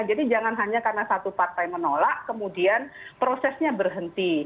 jadi jangan hanya karena satu partai menolak kemudian prosesnya berhenti